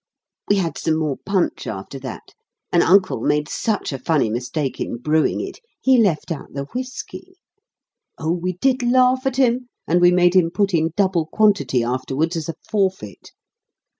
We had some more punch after that; and Uncle made such a funny mistake in brewing it: he left out the whisky. Oh, we did laugh at him, and we made him put in double quantity afterwards, as a forfeit.